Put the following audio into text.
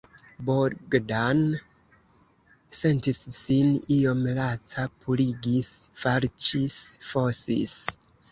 Bogdan sentis sin iom laca; purigis, falĉis, fosis.